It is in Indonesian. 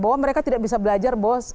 bahwa mereka tidak bisa belajar bos